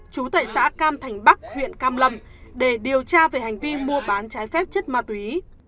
chú tại xã cam thành bắc huyện cam lâm để điều tra về hành vi mua bán trái phép chất ma túy